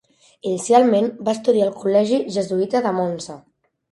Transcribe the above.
Inicialment va estudiar al Col·legi Jesuïta de Monza.